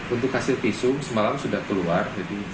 untuk hasil visum semalam sudah keluar